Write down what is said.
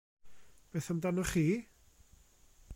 Beth amdanoch chi?